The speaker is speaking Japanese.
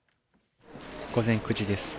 午前９時です。